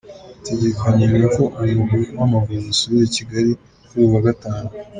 Bitegekanijwe ko umugwi w'amavubi usubira i Kigali kuri uyu wa gatanu.